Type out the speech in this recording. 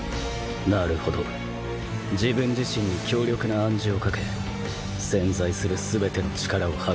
なるほど自分自身に強力な暗示をかけ潜在する全ての力を発揮する気か